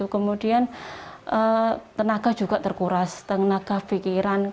kemudian tenaga juga terkuras tenaga pikiran